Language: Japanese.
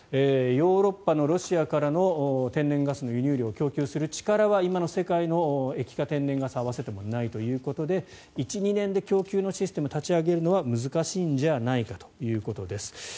ヨーロッパのロシアからの天然ガスの輸入量を供給する力は今の世界の液化天然ガスを合わせても、ないということで１２年で供給のシステムを立ち上げるのは難しいんじゃないかということです。